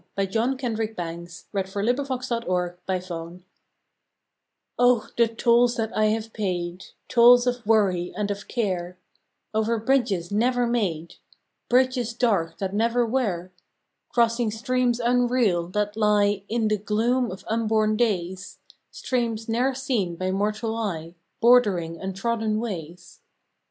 November Fifteenth IMAGINARY TROUBLE o ,H, the tolls that I have paid, Tolls of worry and of care, Over bridges never made, Bridges dark that never were; Crossing streams unreal that lie In the gloom of unborn days, Streams ne er seen by mortal eye Bordering untrodden ways.